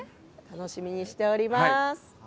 楽しみにしています。